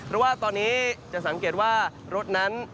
เพราะว่าตอนนี้จะสังเกตว่ารถนั้น